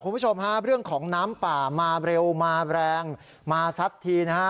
คุณผู้ชมฮะเรื่องของน้ำป่ามาเร็วมาแรงมาซัดทีนะฮะ